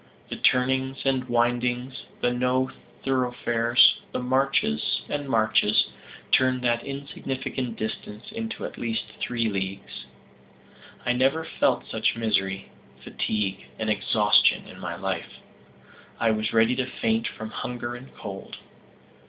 The turnings and windings, the no thoroughfares, the marches and marches, turned that insignificant distance into at least three leagues. I never felt such misery, fatigue and exhaustion in my life. I was ready to faint from hunger and cold.